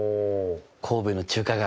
神戸の中華街。